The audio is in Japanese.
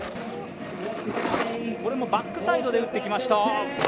これもバックサイドで打ってきました。